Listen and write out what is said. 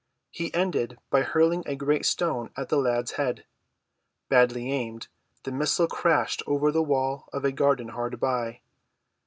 He ended by hurling a great stone at the lad's head. Badly aimed, the missile crashed over the wall of a garden hard by.